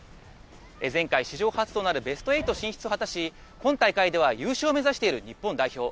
前回、史上初となるベスト８進出を果たし、今大会では優勝を目指している日本代表。